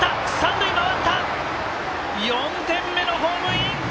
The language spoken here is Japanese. ４点目のホームイン！